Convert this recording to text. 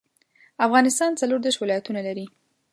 افغانستان څلوردیرش ولایاتونه لري